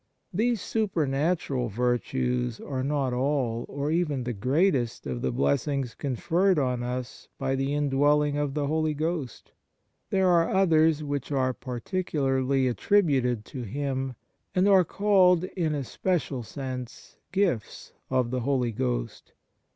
These supernatural virtues are not all, or even the greatest, of the blessings conferred on us by the indwelling of the Holy Ghost. There are others which are particularly attributed to Him, and are called in a special sense gifts of the Holy Ghost.